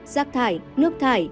giác thải nước thải